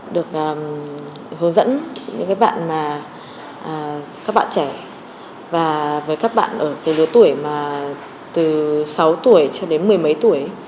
được hướng dẫn những bạn mà các bạn trẻ và với các bạn ở cái lứa tuổi mà từ sáu tuổi cho đến mười mấy tuổi